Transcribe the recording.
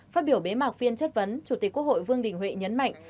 phát biểu bế mạc phiên chất vấn chủ tịch quốc hội vương đình huệ nhấn mạnh